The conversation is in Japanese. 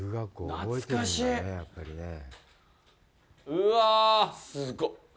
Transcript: うわ、すごっ。